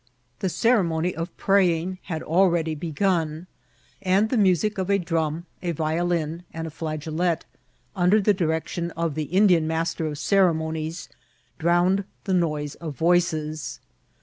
The ceremony of praying had already begun, and the music of a drum, a violin, and a flageolet, under the di« HOW TO GAIN ▲ HUSBAND. 66 rection of the Indian master of ceremonies, drowned the noise of voices.